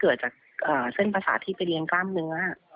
เกิดจากเส้นภาษาที่ไปเรียนกล้ามเนื้อ